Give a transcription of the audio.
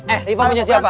eh rifa punya siapa